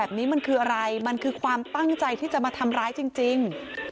แบบนี้มันคืออะไรมันคือความตั้งใจที่จะมาทำร้ายจริง